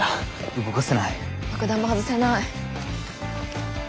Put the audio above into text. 爆弾も外せない。